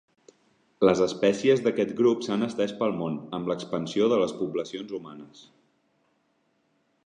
Les espècies d'aquest grup s'han estès pel món amb l'expansió de les poblacions humanes.